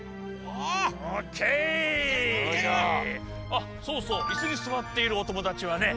あっそうそういすに座っているおともだちはね